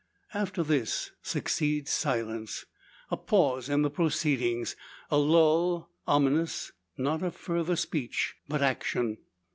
After this succeeds silence a pause in the proceedings a lull ominous, not of further speech but, action.